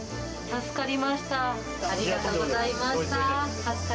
助かりました。